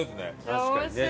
確かにね。